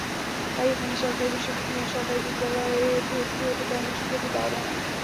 তাই এখানে সরকারি বিদ্যালয়ে ভর্তি হতে তেমন শিক্ষার্থী পাওয়া যায় না।